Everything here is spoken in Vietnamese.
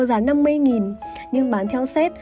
giá năm mươi nhưng bán theo set